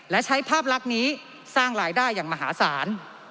และใช้ภาพลักษณ์นี้สร้างรายได้อย่างมหาศาล